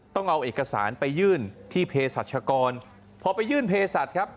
ต้องเอาเอกสารไปยื่นที่เพศรัชกรพอไปยื่นเพศัตริย์ครับ